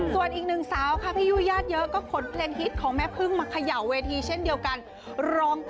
สั่งมาอยู่เมืองกรุงใจของมองแต่อยากจะดัง